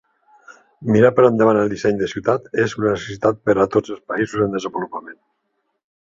Mirar per endavant el disseny de ciutats és una necessitat per a tots els països en desenvolupament.